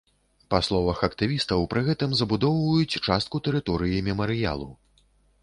Па словах актывістаў, пры гэтым забудоўваюць частку тэрыторыі мемарыялу.